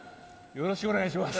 よろしくお願いします！